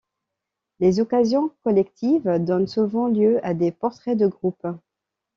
Les occasions collectives donnent souvent lieu à des portraits de groupe.